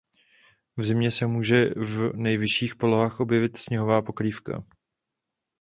V zimě se může v nejvyšších polohách objevit sněhová pokrývka.